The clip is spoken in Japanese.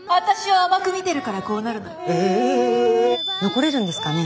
残れるんですかね？